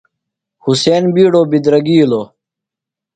حسن بِیڈوۡ بِدرگِیلوۡ۔